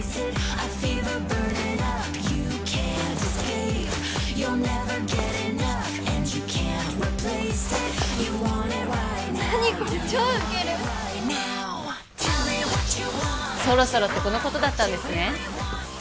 Ａ何これ超ウケるそろそろってこのことだったんですね